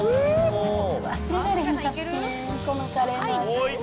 忘れられへんかってん、このカレーの味。